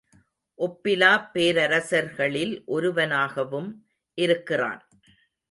ஒப்பிலாப் பேரரசர்களில் ஒருவனாகவும் இருக்கிறான்.